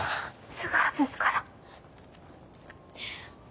すぐ外すから。